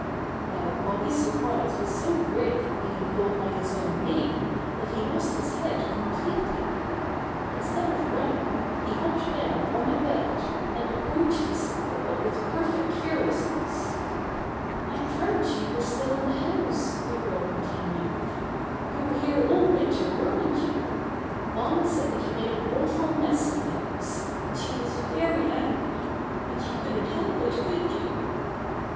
Now Bobby's surprise was so great at being called by his own name that he lost his head completely. Instead of running, he hopped down on the bed, and approached the sick girl with perfect fearlessness. "I dreamt you were still in the house," the girl continued. "You were here all win ter, weren't you? Mamma said you made an awful mess of the house, and she was very angry, but you couldn't help it, could you?"